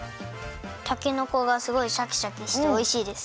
たけのこがすごいシャキシャキしておいしいです。